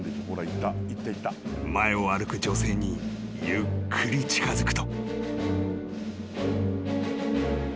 ［前を歩く女性にゆっくり近づくと］